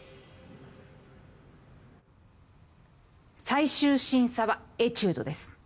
最終審査はエチュードです。